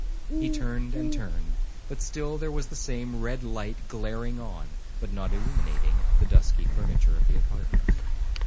He turned and turned, but still there was the same red light glaring on, but not illuminating, the dusky furniture of the apartment.